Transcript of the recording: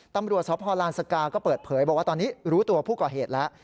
ตำรวจสพลานสกาก็เปิดเผยบอกว่าตอนนี้รู้ตัวผู้ก่อเหตุแล้ว